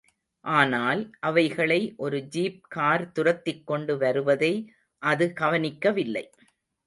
ஆனால், அவைகளை ஒரு ஜீப்கார் துரத்திக்கொண்டு வருவதை அது கவனிக்கவில்லை.